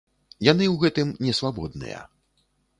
Яны ў гэтым не свабодныя.